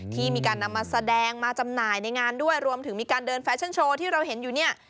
ที่มีการนำมาแสดงมาจำหน่ายในงานด้วยรวมถึงมีการเดินแฟชั่นโชว์ที่เราเห็นอยู่เนี่ย